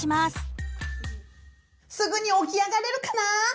すぐにおきあがれるかな？